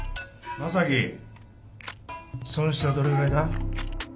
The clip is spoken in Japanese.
正樹損失はどれぐらいだ？